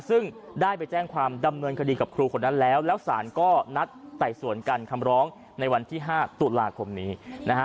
ซึ่งได้ไปแจ้งความดำเนินคดีกับครูคนนั้นแล้วแล้วสารก็นัดไต่สวนกันคำร้องในวันที่๕ตุลาคมนี้นะฮะ